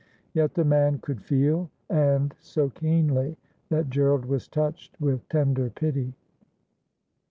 Yet the man could feel, and so keenly, that Gerald was touched with tender pity.